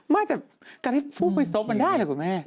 ไม่แต่การให้ผู้ไปซบมันได้หรือครับคุณแม่